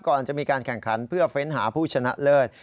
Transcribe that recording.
ก่อนจะมีการแข่งขันเพื่อเฟ้นหาผู้ชนะเลิศ